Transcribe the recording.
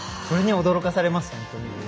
それに驚かされます、本当に。